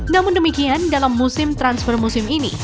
namun demikian dalam musim transfer musim ini